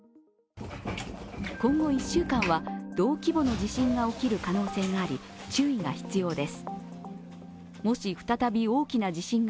今後１週間は同規模の地震が起きる可能性があり、注意が必要です。